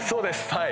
はい。